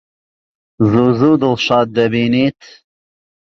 زوو زوو دڵشاد دەبینیت؟